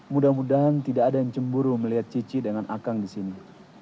mudah mudahan tidak ada yang cemburu melihat cici dengan akang di sini